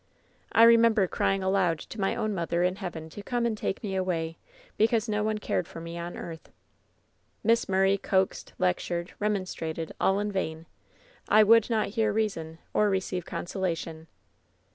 I remember crying aloud to my own mother in heaven to come and take me away, because no one cared for me on earth. "Miss Murray coaxed, lectured, remonstrated, all in vain. I would not hear reason or receive consolation.